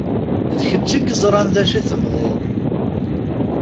D kečč i yeẓran d acu i tebɣiḍ!